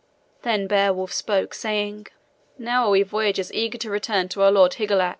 Then Beowulf spoke, saying: "Now are we voyagers eager to return to our lord Higelac.